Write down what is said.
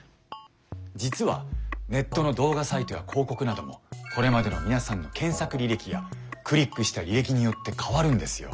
実はネットの動画サイトや広告などもこれまでの皆さんの検索履歴やクリックした履歴によって変わるんですよ。